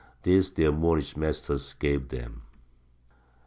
This their Moorish masters gave them.